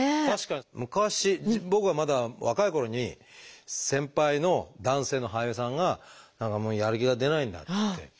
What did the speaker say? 確か昔僕がまだ若いころに先輩の男性の俳優さんが「何かもうやる気が出ないんだ」っつって。